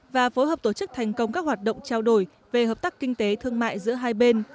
và phối hợp tổ chức thành công các hoạt động trao đổi về hợp tác kinh tế thương mại giữa hai bên